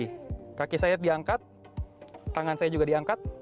jadi kaki saya diangkat tangan saya juga diangkat